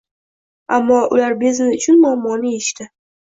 Ammo ular biznes uchun muammoni yechdi.